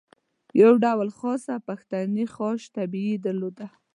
یو ډول خاصه پښتني خوش طبعي یې درلوده.